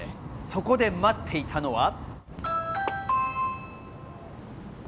そこで待っていたのは。